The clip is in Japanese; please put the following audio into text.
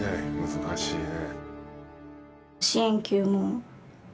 難しいね。